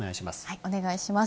お願いします。